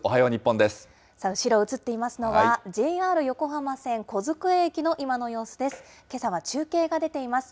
後ろ、写っていますのは、ＪＲ横浜線小机駅の今の様子です。